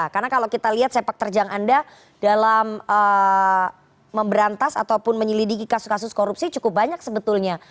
karena kalau kita lihat sepak terjang anda dalam memberantas ataupun menyelidiki kasus kasus korupsi cukup banyak sebetulnya